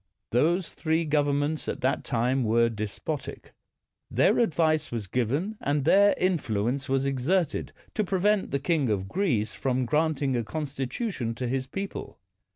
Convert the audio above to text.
Those three gov ernments at that time were despotic. Their ad 194 PALMERSTON vice was given and their influence was exerted to prevent the king of Greece from gi anting a constitution to his people.